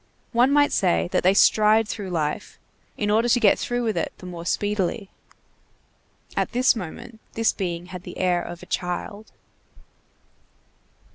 One might say that they stride through life, in order to get through with it the more speedily. At this moment, this being had the air of a child.